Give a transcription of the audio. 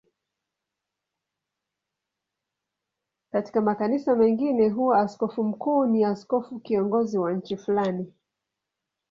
Katika makanisa mengine huwa askofu mkuu ni askofu kiongozi wa nchi fulani.